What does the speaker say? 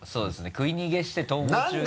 食い逃げして逃亡中っていう。